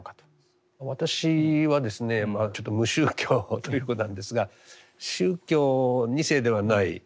私はですねちょっと無宗教ということなんですが宗教２世ではない。